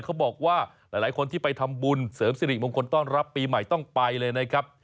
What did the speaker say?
เขาบอกว่าหลายคนที่ไปทำบุญเสริมสิริมงคลต้อนรับปีใหม่ต้องไปเลยนะครับ